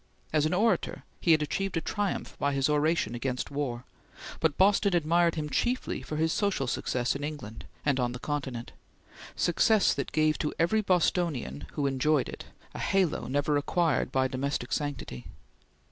As an orator he had achieved a triumph by his oration against war; but Boston admired him chiefly for his social success in England and on the Continent; success that gave to every Bostonian who enjoyed it a halo never acquired by domestic sanctity.